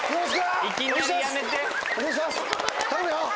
頼むよ！